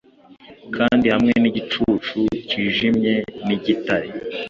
Kandi hamwe nigicucu cyijimye nigitare